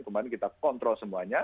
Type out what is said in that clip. kemarin kita kontrol semuanya